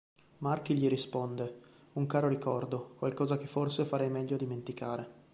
Marchi gli risponde: un caro ricordo, qualcosa che forse farei meglio a dimenticare.